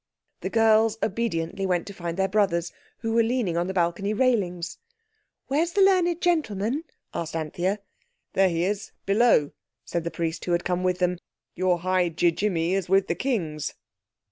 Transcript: The girls obediently went to find their brothers, who were leaning on the balcony railings. "Where's the learned gentleman?" asked Anthea. "There he is—below," said the priest, who had come with them. "Your High Ji jimmy is with the Kings."